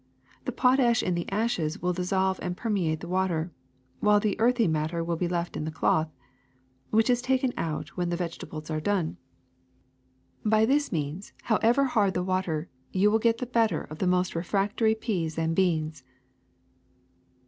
The potash in the ashes will dissolve and permeate the water, while the earthy matter will be left in the cloth, which is to be taken out when the vegetables are done. By this means, however hard WATER 247 the water, you will get the better of the most re fractory peas and beans.''